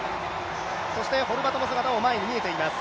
そしてホルバトの姿も前に見えています、